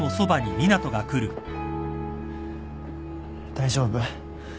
大丈夫？